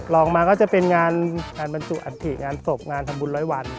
ลองมาก็จะเป็นงานบรรจุอัฐิงานศพงานทำบุญร้อยวัน